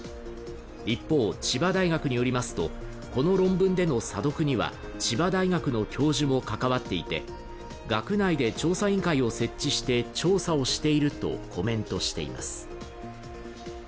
一方、千葉大学によりますとこの論文での査読には千葉大学の教授も関わっていて、学内で調査委員会を設置して調査をしているとコメントしています。